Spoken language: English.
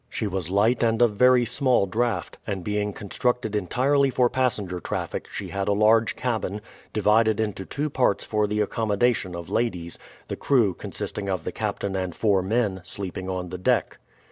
She was light and of very small draught, and, being constructed entirely for passenger traffic, she had a large cabin divided into two parts for the accommodation of ladies the crew, consisting of the captain and four men, sleeping on the deck.